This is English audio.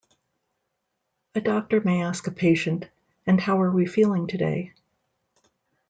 A doctor may ask a patient: And how are we feeling today?